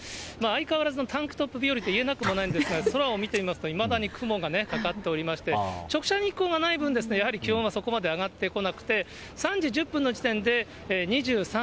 相変わらずのタンクトップ日和と言えなくもないんですが、空を見てみますと、いまだに雲がかかっておりまして、直射日光がない分、やはり気温はそこまで上がってこなくて、３時１０分の時点で２３．２度。